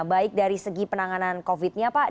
baik dari segi penanganan covid nya pak